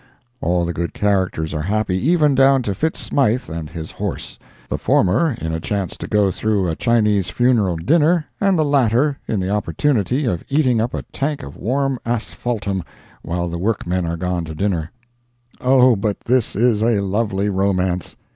All the good characters are happy, even down to Fitz Smythe and his horse—the former in a chance to go through a Chinese funeral dinner, and the latter in the opportunity of eating up a tank of warm asphaltum while the workmen are gone to dinner. Oh, but this is a lovely romance!